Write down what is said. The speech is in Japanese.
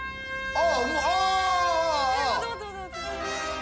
あ！